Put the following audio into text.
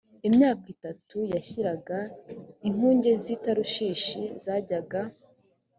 imyaka itatu yashiraga inkuge z i tarushishi zajyaga